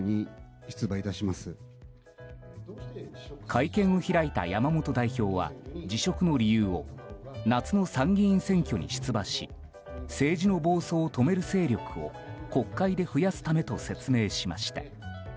会見を開いた山本代表は辞職の理由を夏の参議院選挙に出馬し政治の暴走を止める勢力を国会で増やすためと説明しました。